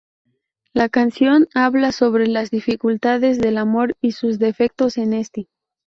La canción habla sobre las dificultades del amor y sus defectos en este.